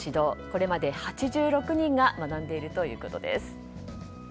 これまで８６人が学んでいるということです。